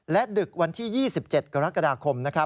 และดึกวันที่๒๗กรกฎาคม